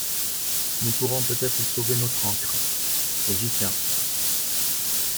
Nous pourrons peut-être sauver notre ancre, et j’y tiens.